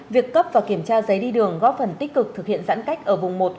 việc cấp và kiểm tra giấy đi đường góp phần tích cực thực hiện giãn cách ở vùng một